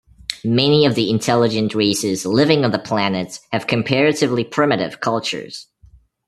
Many of the intelligent races living on the planets have comparatively primitive cultures.